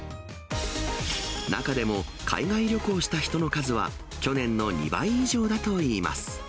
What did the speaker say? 中でも、海外旅行した人の数は去年の２倍以上だといいます。